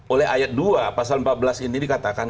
oleh ayat dua pasal empat belas ini dikatakan